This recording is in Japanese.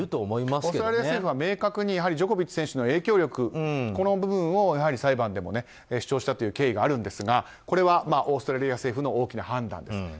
オーストラリア政府は明確にジョコビッチ選手の影響力、この部分を裁判でも主張したという経緯があるんですがこれはオーストラリア政府の大きな判断です。